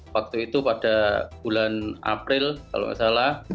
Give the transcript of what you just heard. waktu itu pada bulan april kalau tidak salah